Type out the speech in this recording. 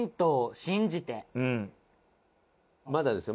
まだですよ。